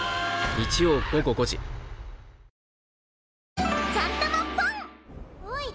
日曜午後５時おい